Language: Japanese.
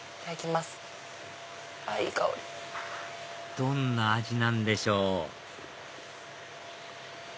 どんな味なんでしょう？